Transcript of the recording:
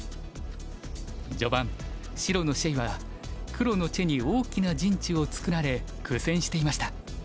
序盤白の謝は黒のチェに大きな陣地を作られ苦戦していました。